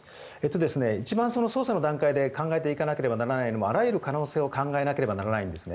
一番、捜査の段階で考えていかなければならないのはあらゆる可能性を考えなければならないんです。